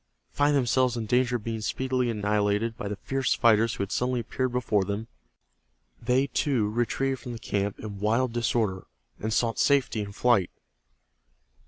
Finding themselves in danger of being speedily annihilated by the fierce fighters who had suddenly appeared before them, they, too, retreated from the camp in wild disorder, and sought safety in flight.